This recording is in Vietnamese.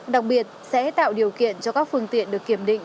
đặc biệt sẽ tạo điều kiện cho các phương tiện được kiểm định